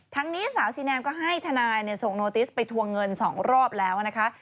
นี้สาวซีแนมก็ให้ทนายส่งโนติสไปทวงเงิน๒รอบแล้วนะคะ